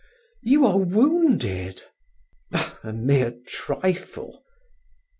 "You are wounded!" "A mere trifle."